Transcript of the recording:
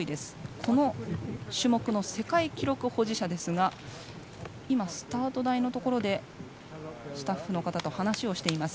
この種目の世界記録保持者ですが今、スタート台のところでスタッフの方と話をしています。